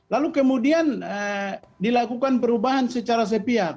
lalu kemudian dilakukan perubahan secara sepiat